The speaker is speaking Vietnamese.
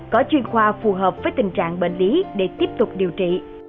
có chuyên khoa phù hợp với tình trạng bệnh lý để tiếp tục điều trị